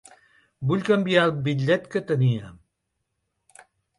Vull canviar el bitllet que tenia.